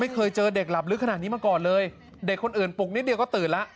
เคยเจอเด็กหลับลึกขนาดนี้มาก่อนเลยเด็กคนอื่นปลุกนิดเดียวก็ตื่นแล้ว